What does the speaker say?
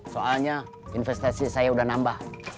soalnya investasi saya sudah nambah